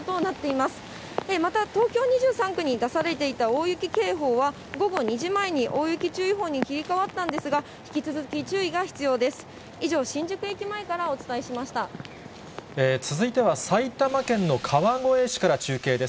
また東京２３区に出されていた大雪警報は、午後２時前に大雪注意報に切り替わったんですが、引き続き注意が必要です。